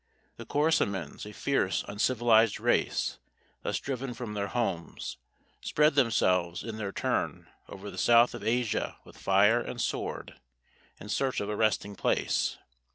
The Korasmins, a fierce, uncivilised race, thus driven from their homes, spread themselves, in their turn, over the south of Asia with fire and sword, in search of a resting place.